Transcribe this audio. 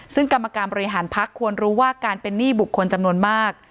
ซึ่งกรรมการบริหารพักควรรู้ว่าการเป็นหนี้บุคคลจำนวนมาก